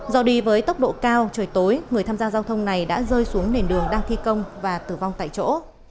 do đi với tốc độ cao trời tối người tham gia giao thông này đã rơi xuống nền đường đang thi công và tử vong tại chỗ